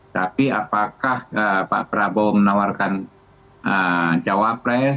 tapi apakah pak prabowo menawarkan jawab pres